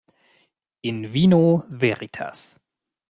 In vino veritas.